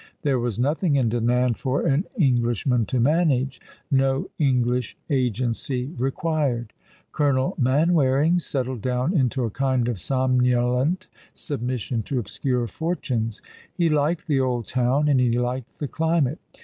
There was nothing in Dinan for an Englishman to manage ; no English agency required. Colonel Manwaring settled down into a kind of somnolent submission to obscure fortunes. He liked the old town, and he liked the climate.